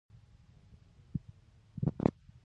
نا امیدي باید انسان مات نه کړي.